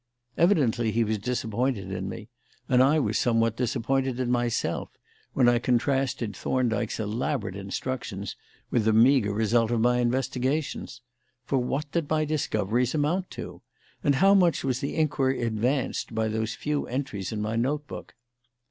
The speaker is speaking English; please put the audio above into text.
Evidently he was disappointed in me; and I was somewhat disappointed in myself when I contrasted Thorndyke's elaborate instructions with the meagre result of my investigations. For what did my discoveries amount to? And how much was the inquiry advanced by the few entries in my note book?